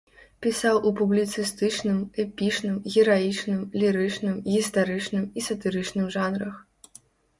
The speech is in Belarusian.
Пісаў у публіцыстычным, эпічным, гераічным, лірычным, гістарычным і сатырычным жанрах.